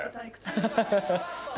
ハハハハ。